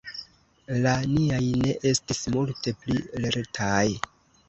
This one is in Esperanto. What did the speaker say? La niaj ne estis multe pli lertaj.